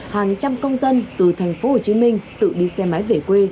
hàng trăm công dân từ thành phố hồ chí minh tự đi xe máy về quê